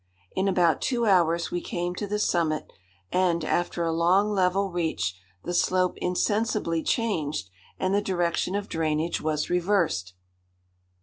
In about two hours we came to the summit, and, after a long level reach, the slope insensibly changed and the direction of drainage was reversed.